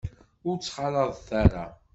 Ur tt-ttxalaḍ ara.